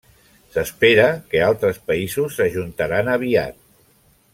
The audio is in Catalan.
S'espera que altres països s'ajuntaran aviat.